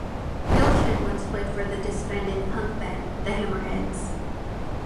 Yelchin once played for the disbanded punk band, the Hammerheads.